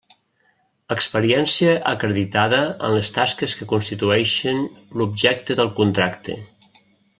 Experiència acreditada en les tasques que constitueixen l'objecte del contracte.